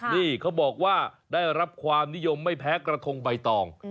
นี่เขาบอกว่าได้รับความนิยมไม่แพ้กระทงใบตอง